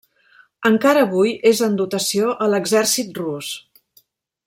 Encara avui és en dotació a l'exèrcit rus.